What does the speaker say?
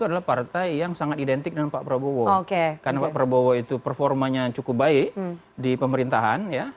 adalah partai yang sangat identik dengan pak prabowo oke karena pak prabowo itu performanya cukup baik di pemerintahan ya